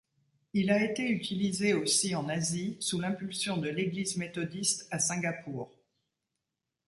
Il a été utilisé aussi en Asie, sous l'impulsion de l'église méthodiste à Singapour.